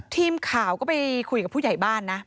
ทีมข่าวก็ไปคุยกับผู้ใหญ่บ้านนะ